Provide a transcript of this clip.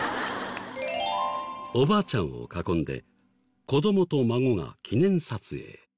おばあちゃんを囲んで子供と孫が記念撮影。